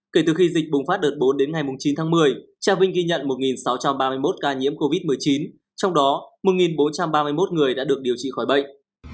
kể từ khi dịch bùng phát đợt bốn đến ngày chín tháng một mươi trà vinh ghi nhận một sáu trăm ba mươi một ca nhiễm covid một mươi chín trong đó một bốn trăm ba mươi một người đã được điều trị khỏi bệnh